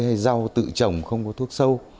hay rau tự trồng không có thuốc sâu